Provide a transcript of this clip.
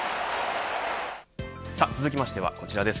続きましてはこちらです。